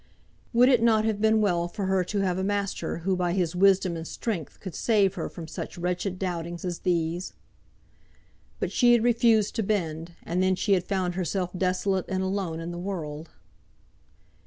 Would it not have been well for her to have a master who by his wisdom and strength could save her from such wretched doubtings as these? But she had refused to bend, and then she had found herself desolate and alone in the world.